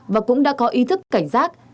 và cũng đã có ý thức cảnh giác